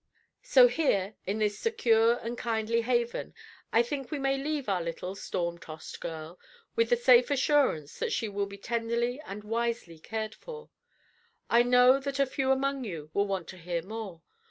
So here, in this secure and kindly haven, I think we may leave our little storm tossed girl, with the safe assurance that she will be tenderly and wisely cared for. I know that a few among you will want to hear more.